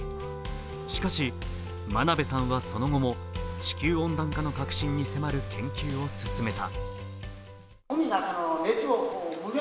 しかし、真鍋さんはその後も地球温暖化の核心に迫る研究を進めた。